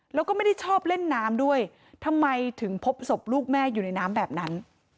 แล้วก็ไม่ได้ชอบเล่นน้ำด้วยทำไมถึงพบศพลูกแม่อยู่ในน้ำแบบนั้น